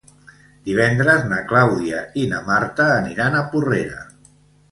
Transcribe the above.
Divendres na Clàudia i na Marta aniran a Porrera.